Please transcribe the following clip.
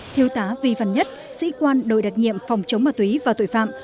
thiêu tá vi văn nhất sĩ quan đội đặc nhiệm phòng chống ma túy và tội phạm